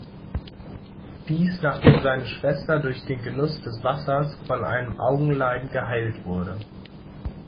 Dies nachdem seine Schwester durch den Genuss des Wassers von einem Augenleiden geheilt wurde.